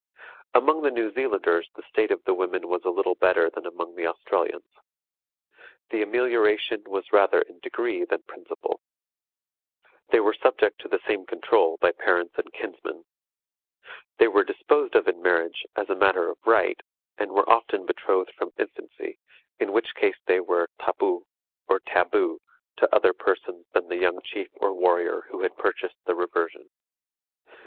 Among the New Zealanders the state of the women was a little better than among the Australians. The amelioration was rather in degree than principle. They were subject to the same control by parents and kinsmen. They were disposed of in marriage as matter of right, and were often betrothed from infancy, in which case they were tapu or taboo to other persons than the young chief or warrior who had purchased the reversion.